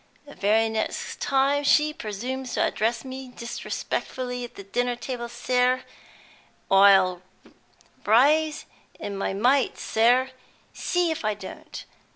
The very next time she presumes to address me disrespectfully at the dinner table, sir, I'll rise in my might, sir, see if I don't!